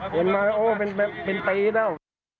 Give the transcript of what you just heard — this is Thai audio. เห็นมาโอ้เป็นปีแล้ว